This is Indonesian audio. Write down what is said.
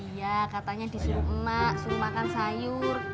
iya katanya disuruh emak disuruh makan sayur